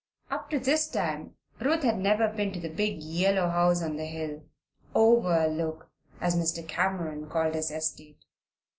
Up to this time Ruth had never been to the big yellow house on the hill "Overlook," as Mr. Macy Cameron called his estate.